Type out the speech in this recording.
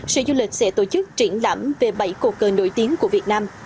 sở du lịch sẽ tổ chức triển lãm về bảy cột cờ nổi tiếng của việt nam